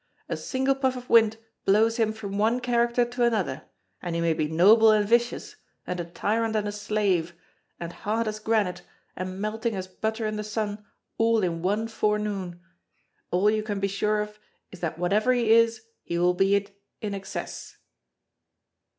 A single puff of wind blows him from one character to another, and he may be noble and vicious, and a tyrant and a slave, and hard as granite and melting as butter in the sun, all in one forenoon. All you can be sure of is that whatever he is he will be it in excess."